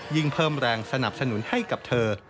ยิ่งเพิ่มแรงสนับสนุนให้กับเธอ